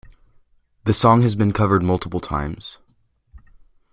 The song has been covered multiple times.